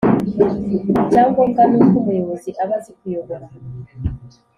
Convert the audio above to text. icya ngombwa ni uko umuyobozi aba azi kuyobora